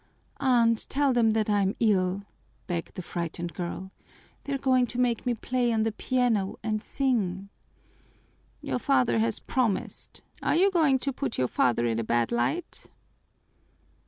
"Aunt, tell them that I'm ill," begged the frightened girl. "They're going to make me play on the piano and sing." "Your father has promised. Are you going to put your father in a bad light?"